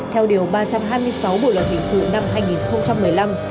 theo điều ba trăm hai mươi sáu bộ luật hình sự năm hai nghìn một mươi năm